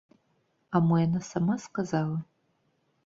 А мо яна сама сказала?